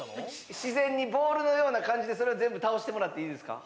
自然にボールのような感じでそれを全部倒してもらっていいですか？